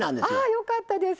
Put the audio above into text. あよかったです。